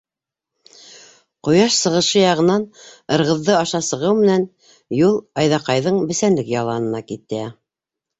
Ҡояш сығышы яғынан Ырғыҙҙы аша сығыу менән юл Айҙаҡайҙың бесәнлек яланына китә.